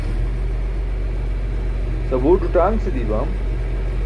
sabuur duṭaaṅce dii bam